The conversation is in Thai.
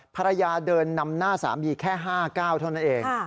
ภรรยาเดินนำหน้าสามีแค่๕๙เท่านั้นเอง